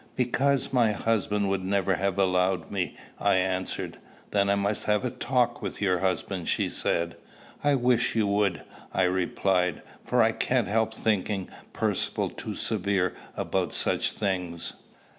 "Because my husband would never have allowed me," I answered. "Then I must have a talk with your husband," she said. "I wish you would," I replied; "for I can't help thinking Percivale too severe about such things."